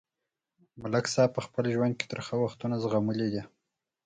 ملک صاحب په خپل ژوند کې ترخه وختونه زغملي دي.